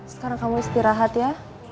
sekarang kamu istirahat ya